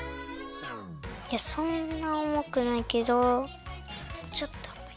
そんなおもくないけどちょっとおもい。